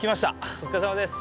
お疲れさまです。